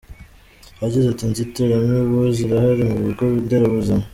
Yagize ati “Inzitiramubu zirahari ku bigo nderabuzima.